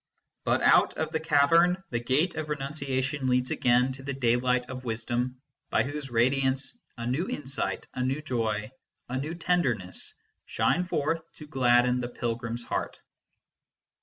But out of the cavern the Gate of Renunciation leads again to the daylight of wisdom, by whose radiance a new insight, a new joy, a new tenderness, shine forth to gladden the pilgrim s heart.